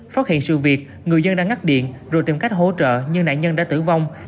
phát hiện sự việc người dân đã ngắt điện rồi tìm cách hỗ trợ nhưng nạn nhân đã tử vong